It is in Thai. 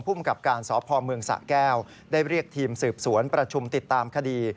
ภูมิกับการสพเมืองสะแก้วได้เรียกทีมสืบสวนประชุมติดตามคดี